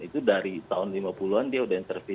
itu dari tahun lima puluh an dia udah intervie